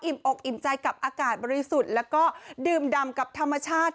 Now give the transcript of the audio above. อกอิ่มใจกับอากาศบริสุทธิ์แล้วก็ดื่มดำกับธรรมชาติ